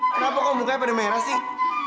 kenapa kau mukanya penuh merah sih